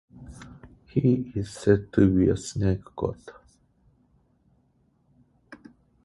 He is said to be a snake god.